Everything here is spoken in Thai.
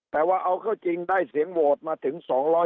แต่ว่าเอาเข้าจริงได้เสียงโหวตมาถึง๒๕